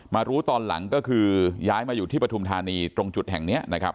รู้ตอนหลังก็คือย้ายมาอยู่ที่ปฐุมธานีตรงจุดแห่งนี้นะครับ